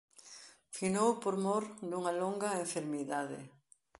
Finou por mor dunha longa enfermidade.